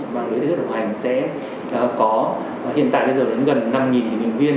mạng lưới thầy thuốc đồng hành sẽ có hiện tại đến gần năm nhân viên